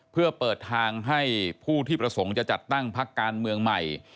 เพื่อเปิดทางให้ผู้ที่ประสงค์จะจัดตั้งพักการเมืองใหม่